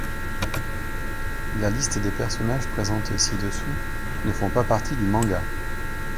La liste des personnages présentés ci-dessous ne font pas partie du manga.